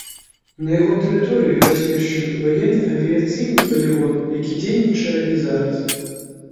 На яго тэрыторыі размешчаны ваенны авіяцыйны палігон, які дзейнічае і зараз.